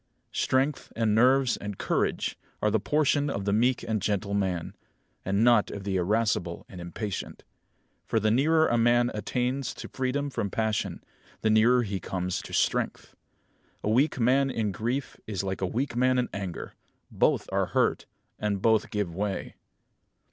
Strength and nerves and courage are the portion of the meek and gentle man; and not of the irascible and impatient. For the nearer a man attains to freedom from passion, the nearer he comes to strength. A weak man in grief is like a weak man in anger. Both are hurt, and both give way.